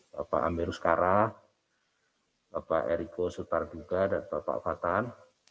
bapak amirus kara bapak eriko sutarduga dan bapak fathan